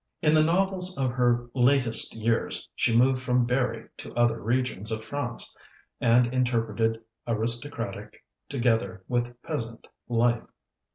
In the novels of her latest years she moved from Berri to other regions of France, and interpreted aristocratic together with peasant life.